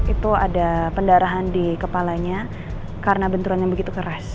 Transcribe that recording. itu ada pendarahan di kepalanya karena benturan yang begitu keras